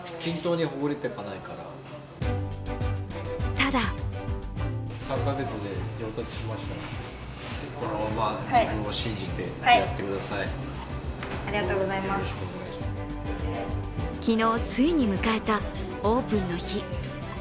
ただ昨日、ついに迎えたオープンの日。